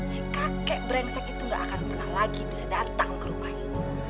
si kakek brengsek itu gak akan pernah lagi bisa datang ke rumah itu